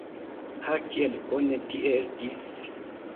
Ha, kiel bone tie estis!